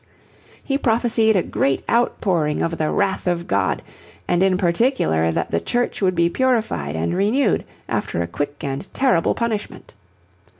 He prophesied a great outpouring of the wrath of God, and in particular that the Church would be purified and renewed after a quick and terrible punishment.